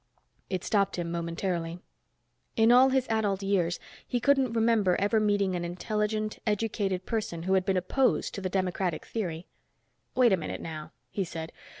It stopped him momentarily. In all his adult years, he couldn't remember ever meeting an intelligent, educated person who had been opposed to the democratic theory. "Wait a minute, now," he said.